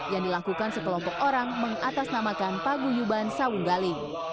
yang dilakukan sekelompok orang mengatasnamakan paguyuban sawung galing